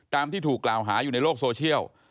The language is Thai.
ที่ถูกกล่าวหาอยู่ในโลกโซเชียล